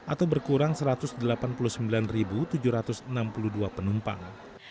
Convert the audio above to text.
atau berkurang satu ratus delapan puluh sembilan tujuh ratus enam puluh dua penumpang